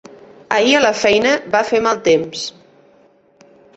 Ahir a la feina va fer mal temps.